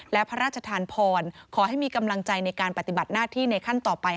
และพระราชทานพรขอให้มีกำลังใจในการปฏิบัติหน้าที่ในขั้นต่อไป